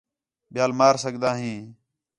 ٻِیال مار سڳدا ہیں